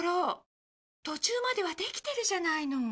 途中まではできてるじゃないの。